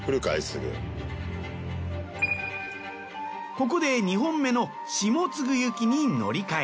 ここで２本目の下津具行きに乗り換え。